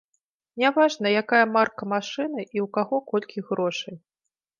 Няважна, якая марка машыны і ў каго колькі грошай.